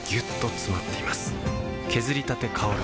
削りたて香る